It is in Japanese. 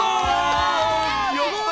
やった！